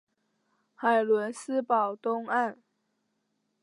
海伦斯堡东岸。